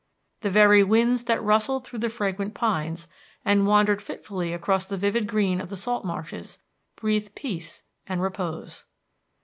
The very winds that rustled through the fragrant pines, and wandered fitfully across the vivid green of the salt marshes, breathed peace and repose.